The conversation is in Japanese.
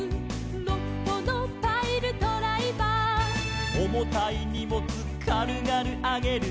「のっぽのパイルドライバー」「おもたいにもつかるがるあげる」